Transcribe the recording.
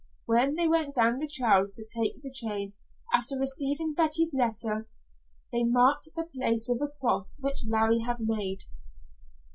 When they went down the trail to take the train, after receiving Betty's letter, they marked the place with a cross which Larry had made.